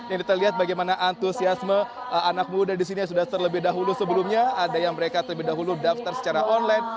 ini kita lihat bagaimana antusiasme anak muda di sini yang sudah terlebih dahulu sebelumnya ada yang mereka terlebih dahulu daftar secara online